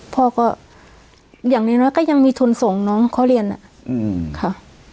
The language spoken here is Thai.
พ่อก็อย่างน้อยก็ยังมีทุนส่งน้องเขาเรียนค่ะ